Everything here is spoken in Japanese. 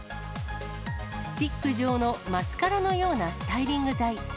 スティック状のマスカラのようなスタイリング剤。